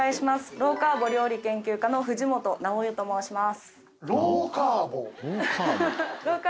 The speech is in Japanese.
ローカーボ料理研究家の藤本なおよと申します。